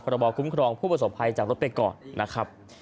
บอคุ้มครองผู้ประสบภัยจากรถไปก่อนนะครับ